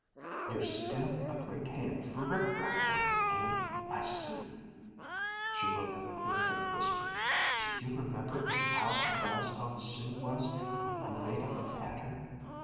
"You're still a great hand for rick rack work, Em, I see," she murmured in a faint whisper. "Do you remember how surprised Aunt Su was when you made up a pattern?"